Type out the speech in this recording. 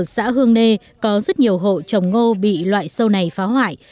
trong đó rất nhiều hộ trồng ngô bị loại sâu này phá hoại